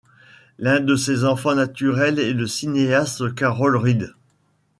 L'un de ses enfants naturels est le cinéaste Carol Reed.